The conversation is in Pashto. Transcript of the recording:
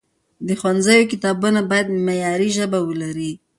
د ښوونځیو کتابونه باید معیاري ژبه ولري.